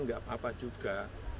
tidak apa apa juga